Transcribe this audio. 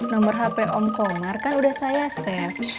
nomor hp om komar kan udah saya safe